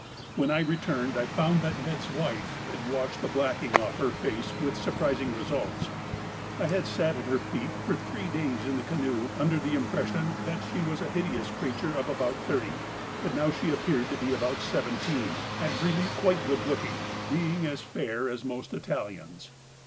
When I returned I found that Ned's wife had washed the blacking off her face with surprising results. I had sat at her feet for three days in the canoe under the impression that she was a hideous creature of about thirty, but now she appeared to be about seventeen, and really quite good looking, being as fair as most Italians.